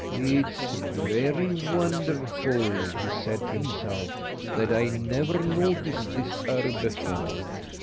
"It's very wonderful," said he to himself, "that I never noticed this herb before.